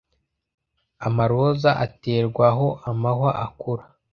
Amaroza aterwa aho amahwa akura,